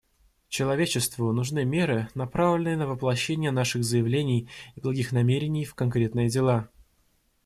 Человечеству нужны меры, направленные на воплощение наших заявлений и благих намерений в конкретные дела.